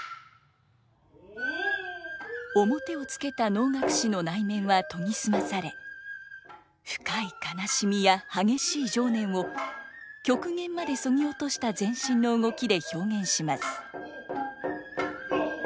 面をつけた能楽師の内面は研ぎ澄まされ深い悲しみや激しい情念を極限までそぎ落とした全身の動きで表現します。